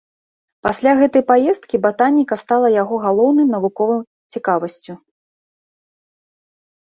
Пасля гэтай паездкі батаніка стала яго галоўным навуковым цікавасцю.